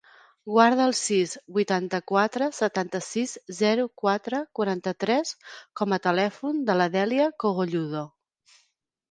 Guarda el sis, vuitanta-quatre, setanta-sis, zero, quatre, quaranta-tres com a telèfon de la Dèlia Cogolludo.